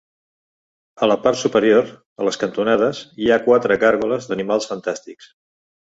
A la part superior, a les cantonades, hi ha quatre gàrgoles d'animals fantàstics.